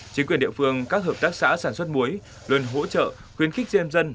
chính quyền địa phương các hợp tác xã sản xuất muối luôn hỗ trợ khuyến khích diêm dân